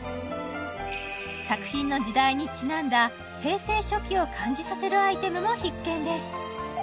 作品の時代にちなんだ平成初期を感じさせるアイテムも必見です